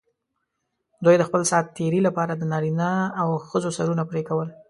دوی د خپل سات تېري لپاره د نارینه او ښځو سرونه پرې کول.